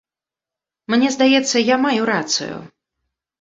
Мне здаецца, я маю рацыю.